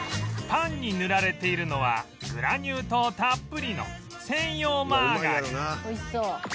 パンに塗られているのはグラニュー糖たっぷりの専用マーガリン美味しそう。